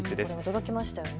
驚きましたね。